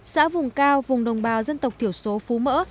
xã vùng cao vùng đồng bào dân tộc thiểu số phú mỡ